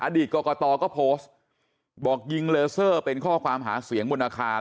กรกตก็โพสต์บอกยิงเลอเซอร์เป็นข้อความหาเสียงบนอาคาร